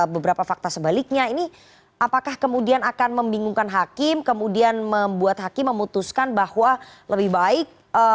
beberapa fakta sebaliknya ini apakah kemudian akan membingungkan hakim kemudian membuat hakim memutuskan bahwa lebih baik